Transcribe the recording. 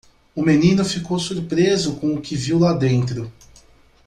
O menino ficou surpreso com o que viu lá dentro.